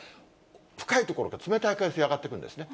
深い所から冷たい海水上がってくるんですね。